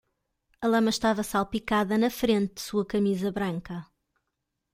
A lama estava salpicada na frente de sua camisa branca.